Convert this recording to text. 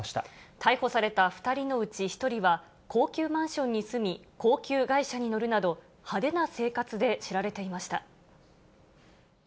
逮捕された２人のうち１人は、高級マンションに住み、高級外車に乗るなど、派手な生活で知られていました。